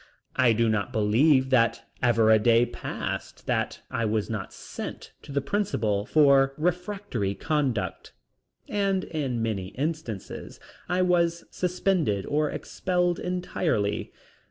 I do not believe that ever a day passed that I was not sent to the principal for refractory conduct, and in many instances I was suspended or expelled entirely.